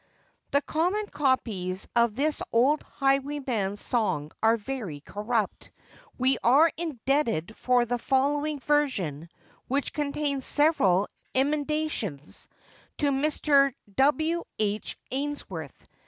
[THE common copies of this old highwayman's song are very corrupt. We are indebted for the following version, which contains several emendations, to Mr. W. H. Ainsworth.